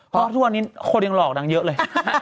ก็ทั่วนี้คนยังหลอกดังเยอะเลย